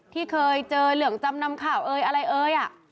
ที่เคยเจอเหลืองจำนำข่าวเอ่ยอะไรเอ่ย